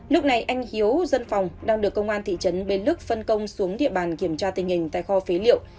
lúc này anh hiếu dân phòng đang được công an thị trấn bến lức phân công xuống địa bàn kiểm tra tình hình tại kho phế liệu